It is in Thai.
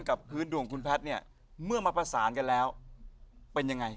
กับพื้นดวงคุณแพทย์เนี่ยเมื่อมาประสานกันแล้วเป็นยังไง